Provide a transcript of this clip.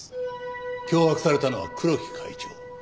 脅迫されたのは黒木会長。